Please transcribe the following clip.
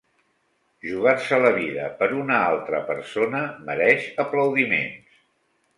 Jugar-se la vida per una altra persona mereix aplaudiments.